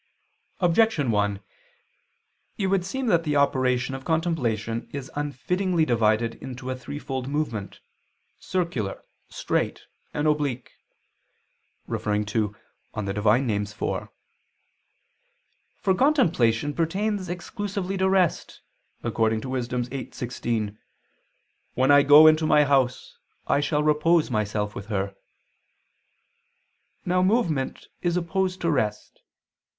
Objection 1: It would seem that the operation of contemplation is unfittingly divided into a threefold movement, "circular," "straight," and "oblique" (Div. Nom. iv). For contemplation pertains exclusively to rest, according to Wis. 8:16, "When I go into my house, I shall repose myself with her." Now movement is opposed to rest.